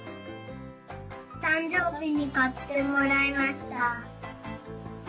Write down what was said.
たんじょうびにかってもらいました。